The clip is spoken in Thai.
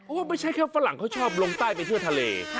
ไม่ใช่แค่ฝรั่งเขาชอบลงใต้ไปทั่วทะเล